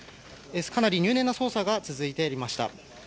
かなり入念な捜査が続いていました。